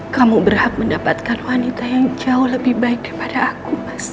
kamu berhak mendapatkan wanita yang jauh lebih baik daripada aku